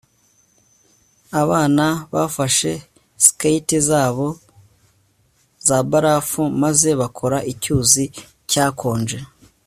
abana bafashe skate zabo za barafu maze bakora icyuzi cyakonje